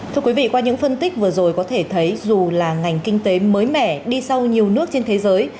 thưa quý vị qua những phân tích vừa rồi có thể thấy dù là ngành kinh tế mới mẻ đi sau nhiều nước trên thế giới